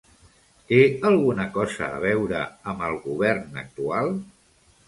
Té alguna cosa a veure amb el govern actual?